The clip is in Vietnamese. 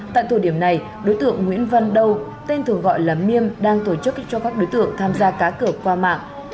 tại thủ điểm này đối tượng nguyễn văn đâu tên thường gọi là miêm đang tổ chức cho các đối tượng tham gia cá cửa qua mạng